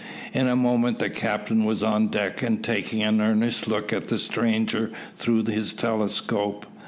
In a moment the captain was on deck, and taking an earnest look at the stranger through his telescope.